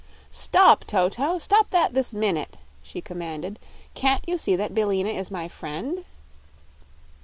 "Stop, Toto! Stop that this minute!" she commanded. "Can't you see that Billina is my friend?"